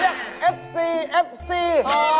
เขาเรียกเอฟซีเอฟซี